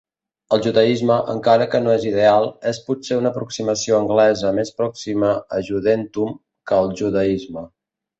El judaisme, encara que no és ideal, és potser una aproximació anglesa més pròxima a "Judentum" que al "judaisme".